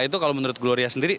itu kalau menurut gloria sendiri